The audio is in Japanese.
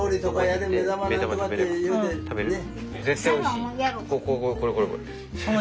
絶対おいしい！